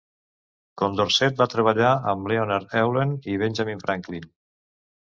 Condorcet va treballar amb Leonhard Euler i Benjamin Franklin.